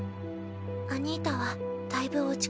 アニータはだいぶ落ち込んでました。